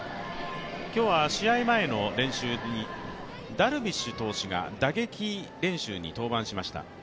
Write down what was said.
今日は試合前の練習にダルビッシュ投手が打撃練習に登板しました。